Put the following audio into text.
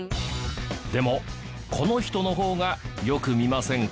でもこの人の方がよく見ませんか？